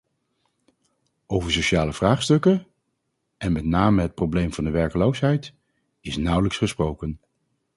Over sociale vraagstukken, en met name het probleem van de werkloosheid, is nauwelijks gesproken.